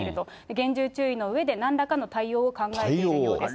厳重注意のうえで、なんらかの対応を考えているようです。